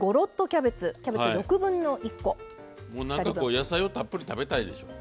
野菜をたっぷり食べたいでしょう。